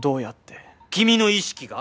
君の意識が。